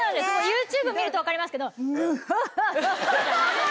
ＹｏｕＴｕｂｅを見ると分かりますけど。